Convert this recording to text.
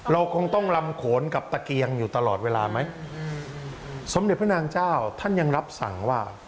เราคงต้องลำโขนกับตะเกียงอยู่ตลอดเวลาไหมสมเด็จพระนางเจ้าท่านยังรับสั่งว่า